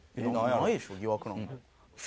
ないでしょ疑惑なんか。